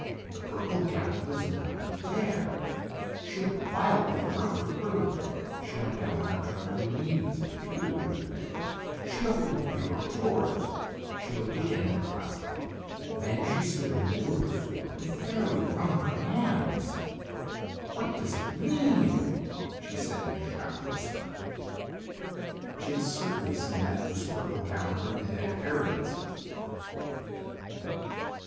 The purple gown was not there! She looked wildly around the room. She went down on her trembling knees and peered under the bed, she opened the bureau drawers, she looked again in the closet. Then she stood in the middle of the floor and fairly wrung her hands. "What does it mean?" she said in a shocked whisper. She had certainly seen that loose purple gown of her dead Aunt Harriet's.